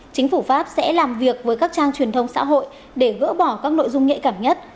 chính phủ pháp sẽ làm việc với các trang truyền thông xã hội để gỡ bỏ các nội dung nhạy cảm nhất